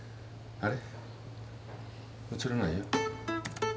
あれ？